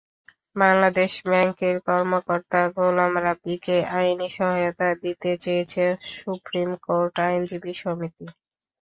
বাংলাদেশ ব্যাংকের কর্মকর্তা গোলাম রাব্বীকে আইনি সহায়তা দিতে চেয়েছে সুপ্রিম কোর্ট আইনজীবী সমিতি।